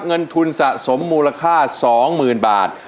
เงินทุนสะสมูรค่า๒หมื่นบาท